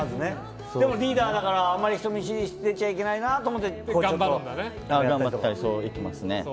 でもリーダーだからあまり人見知りしちゃいけないなと思って頑張るんだね。